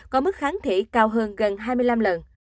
có mức kháng thể cao hơn gần hai mươi năm lần